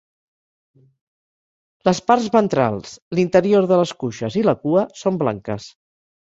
Les parts ventrals, l'interior de les cuixes i la cua són blanques.